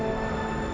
ya udah aku ambil